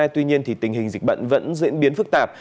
tuy nhiên tình hình dịch bệnh vẫn diễn biến phức tạp